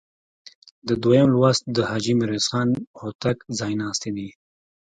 دویم لوست د حاجي میرویس خان هوتک ځایناستي دي.